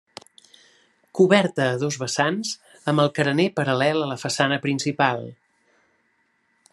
Coberta a dos vessants amb el carener paral·lel a la façana principal.